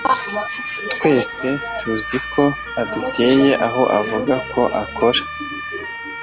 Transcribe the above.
Twese tuzi ko udatuye aho uvuga ko ukora.